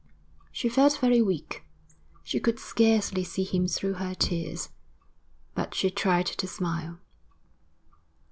She felt very weak. She could scarcely see him through her tears, but she tried to smile.